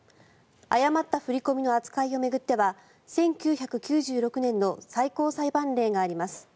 誤った振り込みの扱いを巡っては１９９６年の最高裁判例があります。